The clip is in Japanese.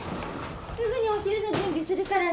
すぐにお昼の準備するからね。